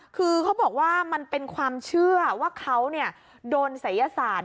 คือเขาบอกว่ามันเป็นความเชื่อว่าเขาโดนศัยศาสตร์